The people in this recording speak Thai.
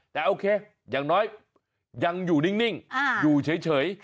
แต่โอเคอย่างน้อยยังอยู่นิ่งอยู่เฉย